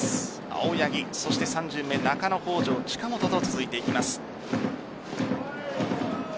青柳、そして３巡目中野、北條、近本と続いていきます。